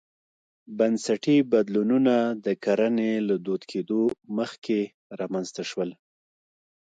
بنسټي بدلونونه د کرنې له دود کېدو مخکې رامنځته شول.